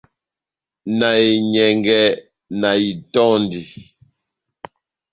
Na enyɛngɛ, na itɔndi.